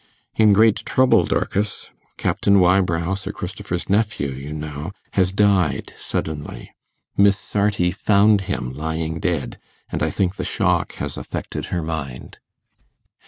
'In great trouble, Dorcas. Captain Wybrow, Sir Christopher's nephew, you know, has died suddenly. Miss Sarti found him lying dead, and I think the shock has affected her mind.